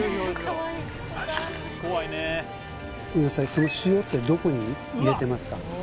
その塩ってどこに入れてますか？